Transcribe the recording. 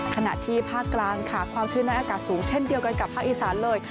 ขณะที่ภาคกลางค่ะความชื้นนั้นอากาศสูงเช่นเดียวกันกับภาคอีสานเลย